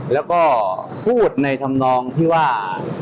แล้วก็พูดในธรรมนองที่ว่า